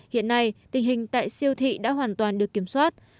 hiện nay tình hình tại siêu thị đã hoàn toàn được kiểm soát